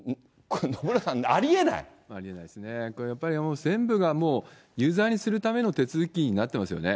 ありえないですね、やっぱり全部がもう有罪にするための手続きになってますよね。